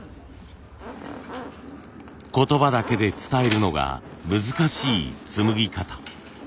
言葉だけで伝えるのが難しいつむぎ方。